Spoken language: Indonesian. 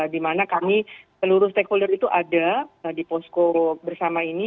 di mana kami seluruh stakeholder itu ada di posko bersama ini